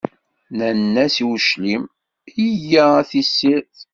Nnan-as i uclim: yya ar tessirt.